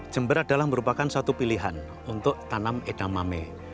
jember adalah merupakan satu pilihan untuk tanam edamame